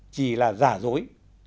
chỉ là giả dối